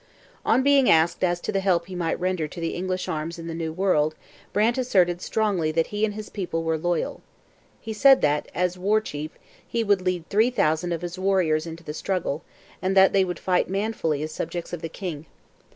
On being asked as to the help he might render to the English arms in the New World, Brant asserted strongly that he and his people were loyal. He said that, as War Chief, he would lead three thousand of his warriors into the struggle, and that they would fight manfully as subjects of the king.